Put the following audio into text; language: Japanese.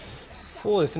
そうですね。